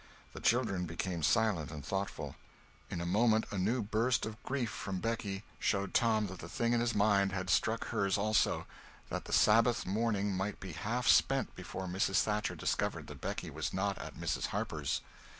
The children became silent and thoughtful. In a moment a new burst of grief from Becky showed Tom that the thing in his mind had struck hers also—that the Sabbath morning might be half spent before Mrs. Thatcher discovered that Becky was not at Mrs. Harper's.